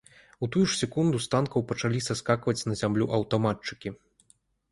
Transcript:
У тую ж секунду з танкаў пачалі саскакваць на зямлю аўтаматчыкі.